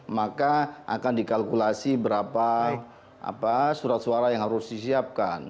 maka akan dikalkulasi berapa surat suara yang harus disiapkan